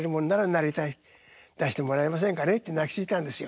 出してもらえませんかねって泣きついたんですよ。